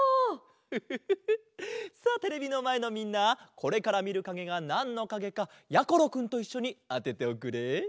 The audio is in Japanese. フフフフさあテレビのまえのみんなこれからみるかげがなんのかげかやころくんといっしょにあてておくれ。